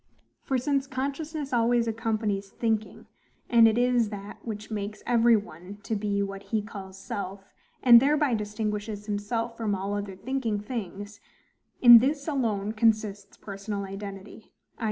For, since consciousness always accompanies thinking, and it is that which makes every one to be what he calls self, and thereby distinguishes himself from all other thinking things, in this alone consists personal identity, i.